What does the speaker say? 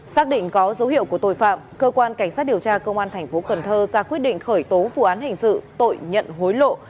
xác định có dấu hiệu của tội phạm cơ quan cảnh sát điều tra công an tp hcm ra quyết định khởi tố vụ án hình dự tội nhận hối lộ